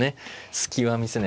隙は見せない。